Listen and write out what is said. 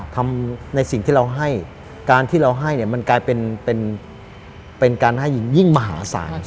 ทำในสิ่งที่เราให้การที่เราให้เนี่ยมันกลายเป็นเป็นการให้หญิงยิ่งมหาศาล